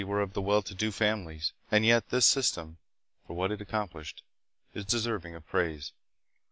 were of the well to do families. And yet this system, for what it accomplished, is deserving of praise.